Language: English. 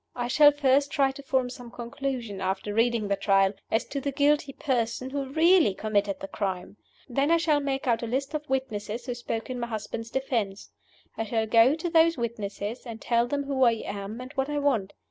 I shall first try to form some conclusion (after reading the Trial) as to the guilty person who really committed the crime. Then I shall make out a list of the witnesses who spoke in my husband's defense. I shall go to those witnesses, and tell them who I am and what I want.